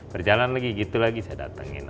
berjalan lagi gitu lagi saya datengin